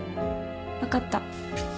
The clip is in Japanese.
分かった。